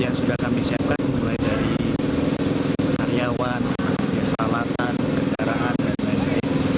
yang sudah kami siapkan mulai dari karyawan peralatan kendaraan dan lain lain